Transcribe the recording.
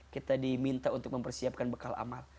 kita harus mempersiapkan bekal amal